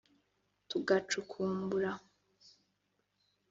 tugacukumbura